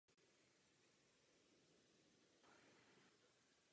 To návštěvníkům umožňuje výhled na celý komplex.